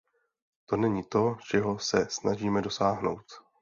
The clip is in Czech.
To není to, čeho se snažíme dosáhnout.